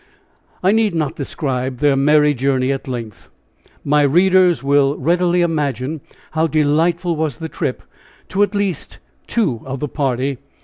I need not describe their merry journey at length. My readers will readily imagine how delightful was the trip to at least two of the party.